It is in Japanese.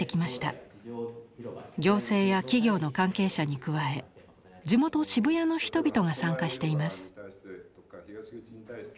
行政や企業の関係者に加え地元渋谷の人々が参加しています。